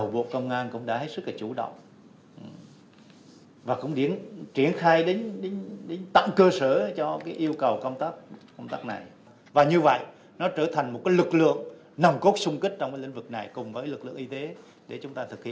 bộ công an đã khẩn trương kiện toàn ban chỉ đạo công an các đơn vị địa phương về tăng cường công tác phòng chống dịch